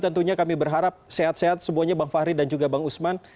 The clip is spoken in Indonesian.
tentunya kami berharap sehat sehat semuanya bang fahri dan juga bang usman